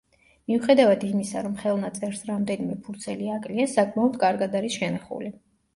მიუხედავად იმისა, რომ ხელნაწერს რამდენიმე ფურცელი აკლია, საკმაოდ კარგად არის შენახული.